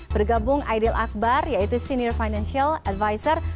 bergabung aidil akbar yaitu senior financial advisor